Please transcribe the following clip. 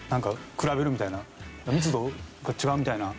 密度が違うみたいな。